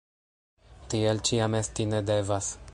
Tiel ĉiam esti ne devas!